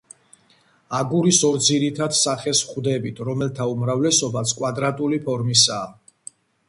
აგურის ორ ძირითად სახეს ვხვდებით, რომელთა უმრავლესობაც კვადრატული ფორმისაა.